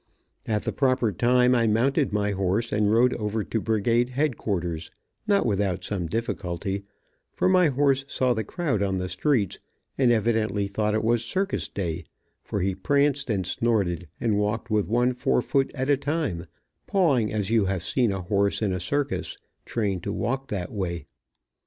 At the proper time I mounted my horse and rode over to brigade headquarters, not without some difficulty, for my horse saw the crowd on the streets, and evidently thought it was circus day, for he pranced and snorted, and walked with one fore foot at a time, pawing as you have seen a horse in a circus, trained to walk that way.